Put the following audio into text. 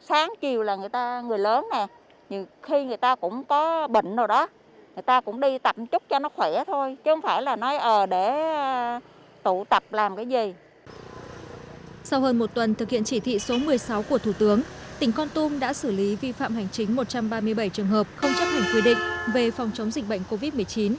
sau hơn một tuần thực hiện chỉ thị số một mươi sáu của thủ tướng tỉnh con tum đã xử lý vi phạm hành chính một trăm ba mươi bảy trường hợp không chấp hình quy định về phòng chống dịch bệnh covid một mươi chín